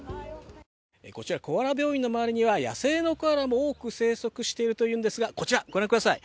こちらコアラ病院の周りには野生のコアラも多く生息しているというんですが、こちら、ご覧ください。